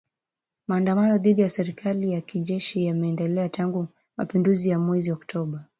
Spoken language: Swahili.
Maandamano dhidi ya serikali ya kijeshi yameendelea tangu mapinduzi ya mwezi Oktoba